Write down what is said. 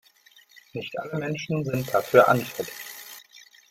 Nicht alle Menschen sind dafür anfällig.